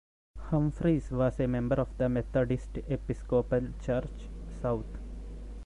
Humphreys was a member of the Methodist Episcopal Church, South.